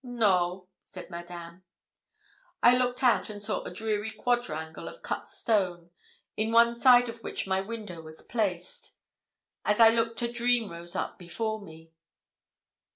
'No,' said Madame. I looked out and saw a dreary quadrangle of cut stone, in one side of which my window was placed. As I looked a dream rose up before me.